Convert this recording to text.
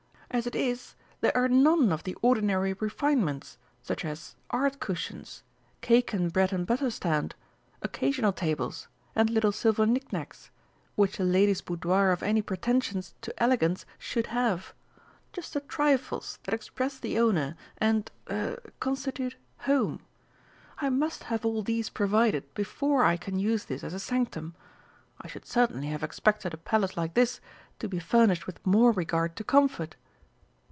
As it is, there are none of the ordinary refinements, such as art cushions, cake and bread and butter stand, occasional tables, and little silver knick knacks, which a lady's boudoir of any pretensions to elegance should have. Just the trifles that express the owner, and er constitute Home. I must have all these provided before I can use this as a sanctum. I should certainly have expected a Palace like this to be furnished with more regard to comfort!"